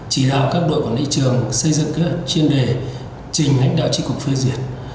chỉ đạo các đội quản lý trường xây dựng kế hoạch chuyên đề trình hãnh đạo chí cục phê duyệt